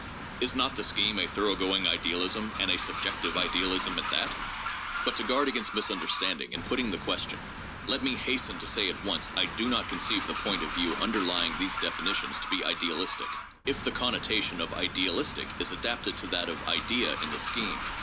Is not the scheme a thoroughgoing idealism, and a subjective ideal ism at that ? But to guard against misunderstanding in putting the question, let me hasten to say at once that I do not conceive the point of view underlying these definitions to be idealistic, if the connota tion of "idealistic" is adapted to that of "idea" in the scheme.